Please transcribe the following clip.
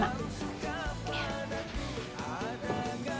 masa ada pembeli gak